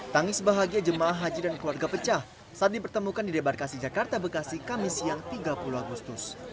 tangis bahagia jemaah haji dan keluarga pecah saat dipertemukan di debarkasi jakarta bekasi kamis siang tiga puluh agustus